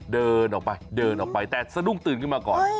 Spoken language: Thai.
เดินออกไปเดินออกไปแต่สะดุ้งตื่นขึ้นมาก่อน